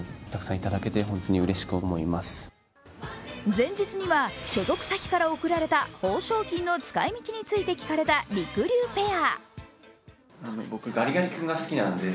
前日には所属先から贈られた報奨金の使い道について聞かれたりくりゅうペア。